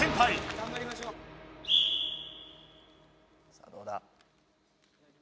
さあどうだ。